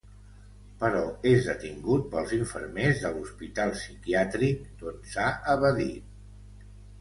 Però és detingut pels infermers de l'hospital psiquiàtric d'on s'ha evadit.